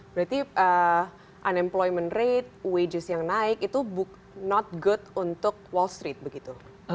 berarti unemployment rate wages yang naik itu not good untuk wall street begitu